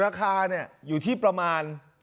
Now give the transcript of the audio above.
ราคาอยู่ที่ประมาณ